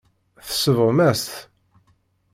Tsebɣem-as-t.